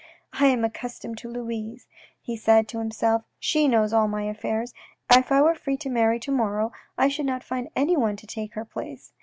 " I am accustomed to Louise," he said to himself, " she knows all my affairs. If I were free to marry to morrow, I should not find anyone to take her place."